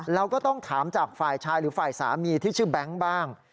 เราก็ต้องถามจากฝ่ายชายหรือฝ่ายสามีที่ชื่อแบงค์บ้าง